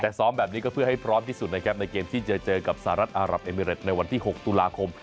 แต่ซ้อมแบบนี้ก็เพื่อให้พร้อมที่สุดนะครับในเกมที่จะเจอกับสหรัฐอารับเอมิเรตในวันที่๖ตุลาคม